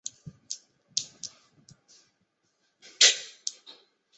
香港特别行政区入境事务处要求入出境香港特区旅客须填具复写式入出境登记表。